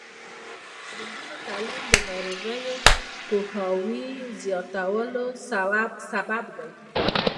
د نجونو تعلیم د ناروغیو پوهاوي زیاتولو سبب دی.